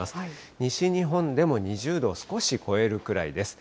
西日本でも２０度を少し超えるくらいです。